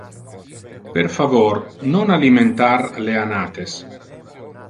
Per favor non alimentar le anates!